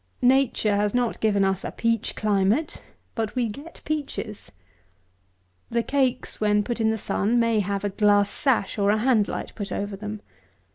Nature has not given us a peach climate; but we get peaches. The cakes, when put in the sun, may have a glass sash, or a hand light, put over them.